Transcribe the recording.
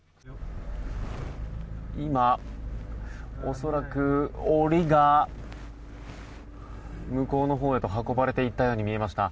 今、恐らく檻が向こうのほうへと運ばれていったように見えました。